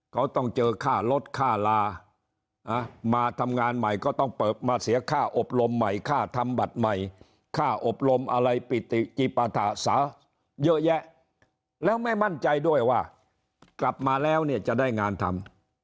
เขาต้องเจอค่ารถค่าลามาทำงานใหม่ก็ต้องเปิดมาเสียค่าอบรมใหม่ค่าทำบัตรใหม่ค่าอบรมอะไรปิติจิปฐะสาเยอะแยะแล้วไม่มั่นใจด้วยว่ากลับมาแล้วเนี่ยจะได้งานทำ